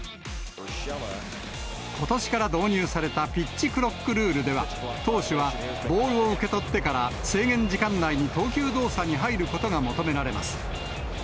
ことしから導入されたピッチクロックルールでは、投手はボールを受け取ってから制限時間内に投球動作に入ることが求められます。